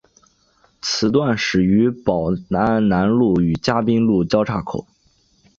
此段始于宝安南路与嘉宾路交叉口。